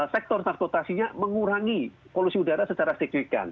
sektor transportasinya mengurangi polusi udara secara signifikan